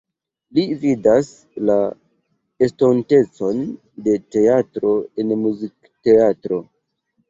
Li vidas la estontecon de teatro en muzikteatro.